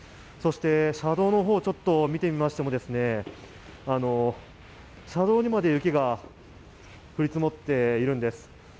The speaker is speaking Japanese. そして車道の方を見てみましても、車道にまで雪が降り積もっているんです。